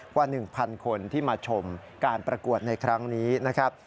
กว่า๑๐๐คนที่มาชมการประกวดในครั้งนี้นะครับ